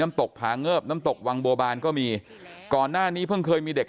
ตกผาเงิบน้ำตกวังบัวบานก็มีก่อนหน้านี้เพิ่งเคยมีเด็ก